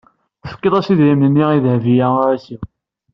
Tefkid-as idrimen-nni i Dehbiya u Ɛisiw.